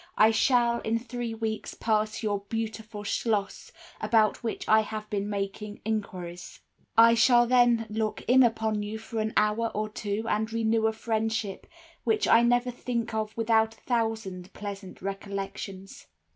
I shall in three weeks pass your beautiful schloss, about which I have been making enquiries. I shall then look in upon you for an hour or two, and renew a friendship which I never think of without a thousand pleasant recollections.